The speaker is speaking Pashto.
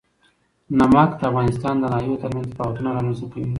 نمک د افغانستان د ناحیو ترمنځ تفاوتونه رامنځ ته کوي.